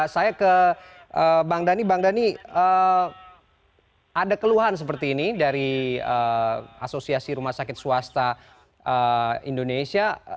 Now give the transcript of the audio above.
saya ke bang dhani bang dhani ada keluhan seperti ini dari asosiasi rumah sakit swasta indonesia